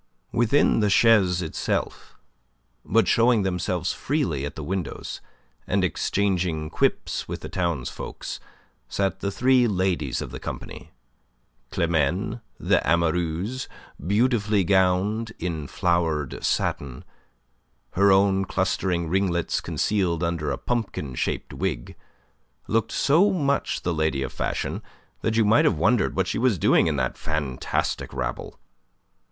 Within the chaise itself, but showing themselves freely at the windows, and exchanging quips with the townsfolk, sat the three ladies of the company. Climene, the amoureuse, beautifully gowned in flowered satin, her own clustering ringlets concealed under a pumpkin shaped wig, looked so much the lady of fashion that you might have wondered what she was doing in that fantastic rabble.